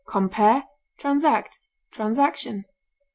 Compare TRANSACT; TRANSACTION.